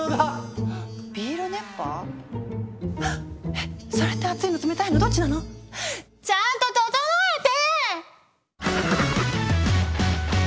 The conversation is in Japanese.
えっそれって熱いの冷たいのどっちなの⁉ちゃんとととのえて！